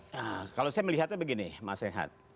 nah kalau saya melihatnya begini mas rehat